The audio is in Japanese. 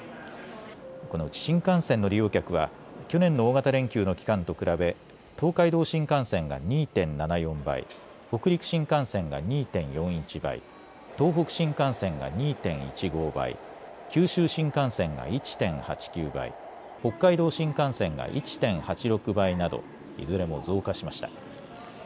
このうち新幹線の利用客は、去年の大型連休の期間と比べ、東海道新幹線が２．７４倍、北陸新幹線が２．４１倍、東北新幹線が２．１５倍、九州新幹線が１．８９倍、北海道新幹線が１．８６倍など、いずれも増加しました。